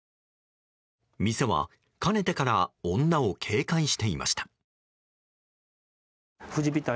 店は、かねてから女を警戒していました。